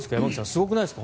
すごくないですか。